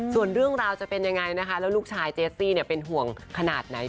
ส่วนเรื่องราวจะเป็นยังไงนะคะแล้วลูกชายเจสซี่เป็นห่วงขนาดไหน